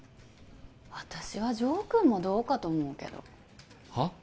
私は城君もどうかと思うけどはあ？